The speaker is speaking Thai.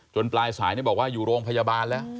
ปลายสายบอกว่าอยู่โรงพยาบาลแล้ว